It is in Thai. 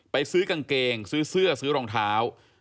ไปซื้อกางเกงซื้อเสื้อซื้อรองเท้า